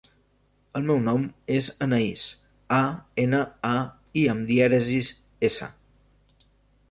El meu nom és Anaïs: a, ena, a, i amb dièresi, essa.